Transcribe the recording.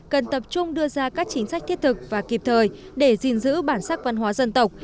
cần tập trung đưa ra các chính sách thiết thực và kịp thời để gìn giữ bản sắc văn hóa dân tộc